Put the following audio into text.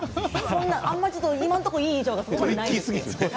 あまり今のところいい印象はないですね。